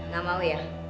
gak mau ya